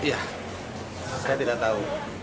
iya saya tidak tahu